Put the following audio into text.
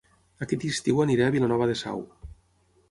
Aquest estiu aniré a Vilanova de Sau